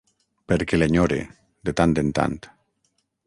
Perquè l’enyore, de tant en tant.